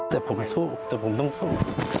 แต่ผมไม่สู้แต่ผมต้องสู้